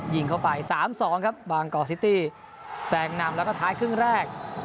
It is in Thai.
ยิงเข้าไป๓๒ครับบางกอกซิตี้แซงนำแล้วก็ท้ายครึ่งแรก